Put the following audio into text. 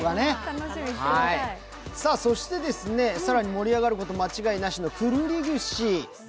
そして更に盛り上がること間違いなしのくるり串